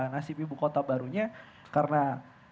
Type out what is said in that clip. nasib ibu kota barunya karena kawasan indonesia itu masih ada